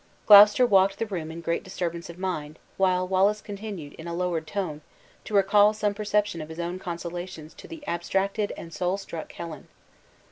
Gloucester walked the room in great disturbance of mind, while Wallace continued, in a lowered tone, to recall some perception of his own consolations to the abstracted and soul struck Helen.